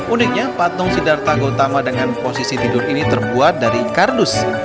uniknya patung sidartagotama dengan posisi tidur ini terbuat dari kardus